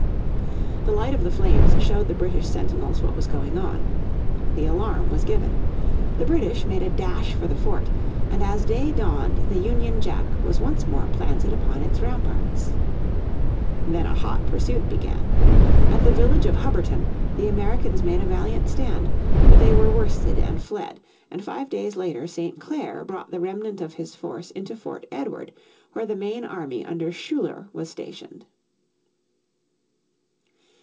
The light of the flames showed the British sentinels what was going on. The alarm was given. The British made a dash for the fort, and as day dawned on July 6, 1777, the Union Jack was once more planted upon its ramparts. Then a hot pursuit began. At the village of Hubbardton the Americans made a valiant stand, but they were worsted and fled, and five days later St. Clair brought the remnant of his force into Fort Edward, where the main army under Schuyler was stationed.